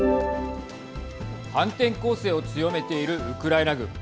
反転攻勢を強めているウクライナ軍。